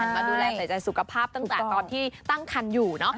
มาดูแลใส่ใจสุขภาพตั้งแต่ตอนที่ตั้งคันอยู่เนอะ